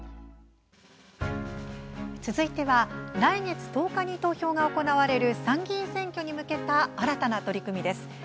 続いては来月１０日に投票が行われる参議院選挙に向けた新たな取り組みです。